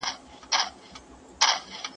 بې تدبیره عمل د وخت ضایع کول دي.